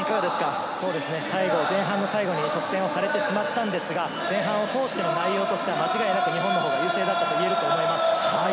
前半の最後に得点されてしまったのですが、前半通しての内容は間違いなく日本の方が優勢だったと言えると思います。